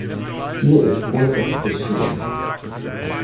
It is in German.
Hier ist Unrecht geschehen.